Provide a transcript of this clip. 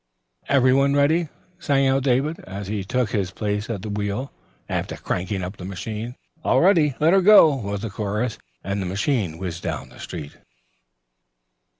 "Every one ready?" sang out David, as he took his place at the wheel after cranking up the machine. "All ready, let her go," was the chorus, and the machine whizzed down the street.